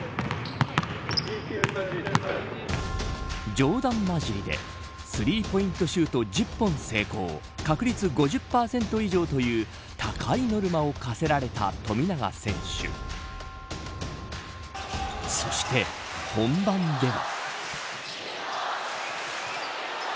冗談交じりでスリーポイントシュート１０本成功確率５０％以上という高いノルマを課せられた富永選手そして本番では。